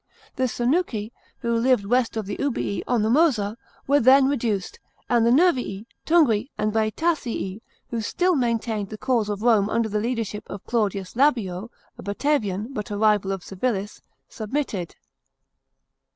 The Sunuci, who lived west of the Ubii on the Mosa, were then reduced ; and the Nervii, Tungri, and Bsetasii, who still maintained the cause of Rome under the leadership of Claudius Labeo, a Batavian, but a rival of Civilis, submitted.